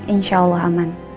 insya allah aman